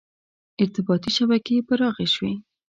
• ارتباطي شبکې پراخې شوې.